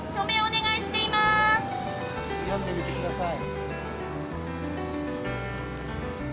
読んでみてください。